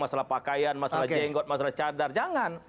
masalah pakaian masalah jenggot masalah cadar jangan